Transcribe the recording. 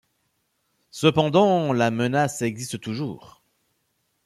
Cependant la menace existe toujours.